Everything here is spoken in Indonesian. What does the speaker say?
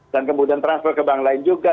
dan kemudian transfer ke bank lain juga